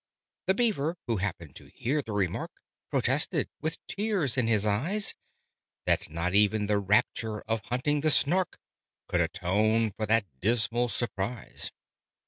The Beaver, who happened to hear the remark, Protested, with tears in its eyes, That not even the rapture of hunting the Snark Could atone for that dismal surprise!